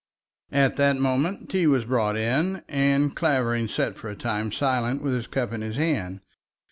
At this moment tea was brought in, and Clavering sat for a time silent with his cup in his hand.